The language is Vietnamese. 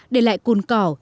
để lại cùng cầu